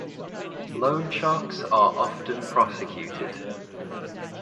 Loan sharks are often prosecuted.